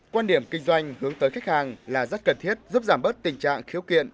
quan điểm kinh doanh hướng tới khách hàng là rất cần thiết giúp giảm bớt tình trạng khiếu kiện